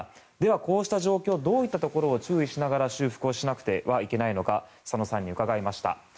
こうした状況どういったところを注意しながら修復しなくてはいけないか左野さんに伺いました。